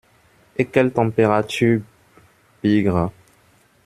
Et quelle température, bigre!